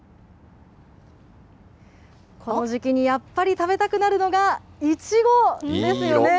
この時期にやっぱり食べたくなるのがいちごですよね。